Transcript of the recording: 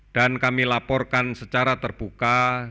dan kami laporkan secara terbuka